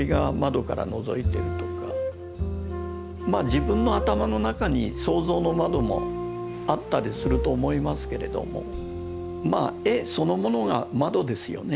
自分の頭の中に想像の窓もあったりすると思いますけれども絵そのものが窓ですよね。